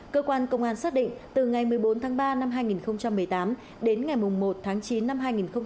cơ quan công an xác định từ ngày một mươi bốn tháng ba năm hai nghìn một mươi tám đến ngày một tháng chín năm hai nghìn một mươi chín